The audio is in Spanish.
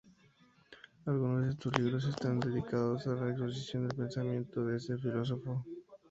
Algunos de sus libros están dedicados a la exposición del pensamiento de ese filósofo.